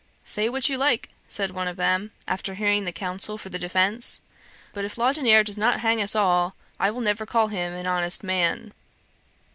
"Say what you like," said one of them, after hearing the counsel for the defence; "but if Laudonniere does not hang us all, I will never call him an honest man."